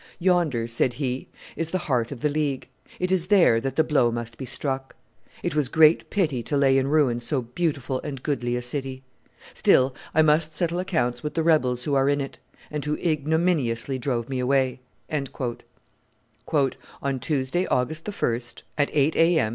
"Yonder," said he, "is the heart of the League; it is there that the blow must be struck. It was great pity to lay in ruins so beautiful and goodly a city. Still, I must settle accounts with the rebels who are in it, and who ignominiously drove me away." "On Tuesday, August 1, at eight A. M.